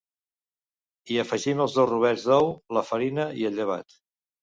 Hi afegim els dos rovells d’ou, la farina i el llevat.